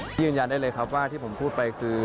ยืนยันได้เลยครับว่าที่ผมพูดไปคือ